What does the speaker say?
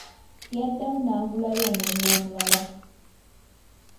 Yaddamu n'agulayo omwenge omulala.